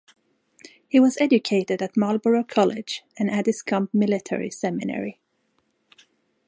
He was educated at Marlborough College and Addiscombe Military Seminary.